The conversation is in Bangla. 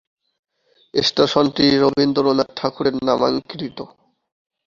স্টেশনটি রবীন্দ্রনাথ ঠাকুরের নামাঙ্কিত।